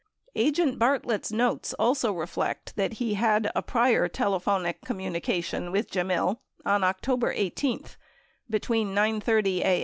85 Agent Bartlett's notes also reflect that he had a prior telephonic com munication with Gemmill on October 18, between 9 :30 a.